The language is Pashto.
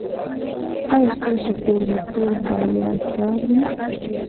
ایا ستاسو کوربه توب به یادګار وي؟